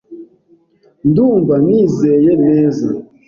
Ndumva nizeye neza.